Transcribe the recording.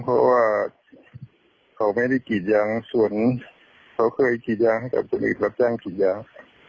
เพราะว่าเขาไม่ได้กิจยางส่วนเคยกิจยางกับคนอื่นรับจ้างกิจยาง